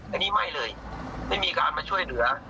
อันนี้ไม่เลยไม่มีการมาช่วยเหลือ